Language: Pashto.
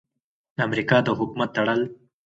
د امریکا د حکومت تړل: